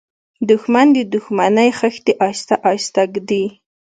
دښمن د دښمنۍ خښتې آهسته آهسته ږدي